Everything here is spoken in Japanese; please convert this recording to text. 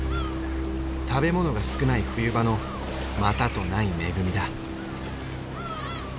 食べ物が少ない冬場のまたとない恵みだ。